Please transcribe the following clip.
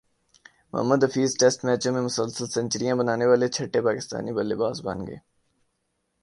Mohammad Hafeez test میچوں میں مسلسل سنچریاںبنانیوالے چھٹے پاکستانی بلے باز بن گئے